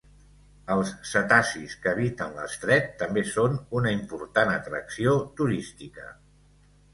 Els cetacis que habiten l'estret també són una important atracció turística.